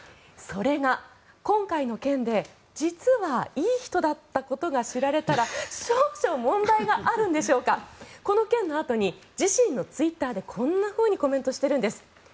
それが今回の件で実はいい人だったことが知られたら少々問題があるんでしょうかこの件のあとに自身のツイッターでこんなふうにコメントしているんです。